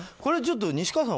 西川さん